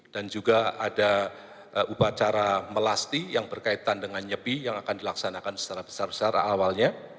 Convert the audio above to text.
dan juga ada upacara melasti yang berkaitan dengan nyepi yang akan dilaksanakan secara besar besar awalnya